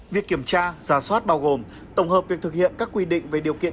việc kiểm tra giả soát bao gồm tổng hợp việc thực hiện các quy định về điều kiện